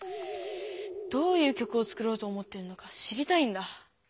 どういう曲を作ろうと思ってるのか知りたいんだ。